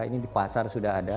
ini di pasar sudah ada